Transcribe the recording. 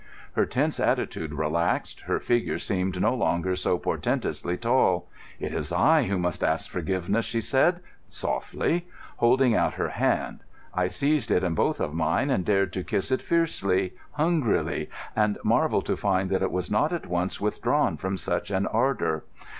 Her tense attitude relaxed. Her figure seemed no longer so portentously tall. "It is I who must ask forgiveness," she said softly, holding out her hand. I seized it in both of mine and dared to kiss it fiercely, hungrily, and marvelled to find that it was not at once withdrawn from such an ardour.